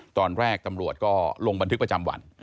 ตอนแรกตำรวจก็ลงบันทึกประจำวัน